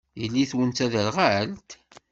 Yelli-twen d taderɣalt?